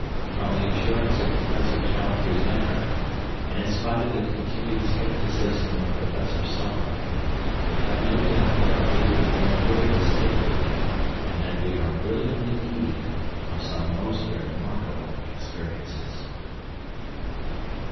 From the assurance of Professor Challenger's manner and in spite of the continued scepticism of Professor Summerlee I have no doubt that our leader will make good his statement, and that we are really on the eve of some most remarkable experiences.